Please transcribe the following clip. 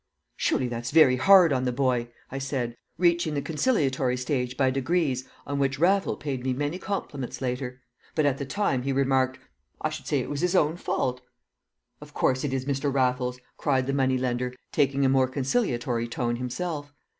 "Surely that's very hard on the boy," I said, reaching the conciliatory stage by degrees on which Raffles paid me many compliments later; but at the time he remarked, "I should say it was his own fault." "Of course it is, Mr. Raffles," cried the moneylender, taking a more conciliatory tone himself.